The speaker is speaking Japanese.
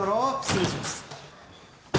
失礼します。